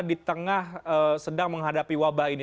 di tengah sedang menghadapi wabah ini